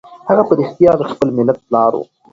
هغه په رښتیا د خپل ملت پلار و.